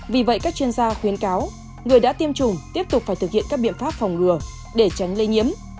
vì vậy các chuyên gia khuyến cáo người đã tiêm chủng tiếp tục phải thực hiện các biện pháp phòng ngừa để tránh lây nhiễm